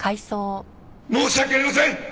申し訳ありません！